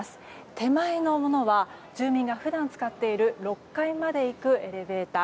手前のものは、住民が普段使っている６階まで行くエレベーター。